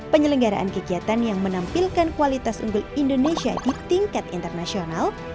penyelenggaraan kegiatan yang menampilkan kualitas unggul indonesia di tingkat internasional